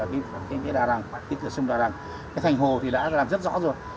và kinh tế đà rẳng kinh tế sông đà rẳng thành hồ thì đã làm rất rõ rồi